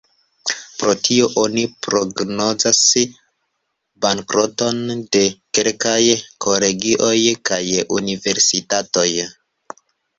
Pro tio oni prognozas bankroton de kelkaj kolegioj kaj universitatoj.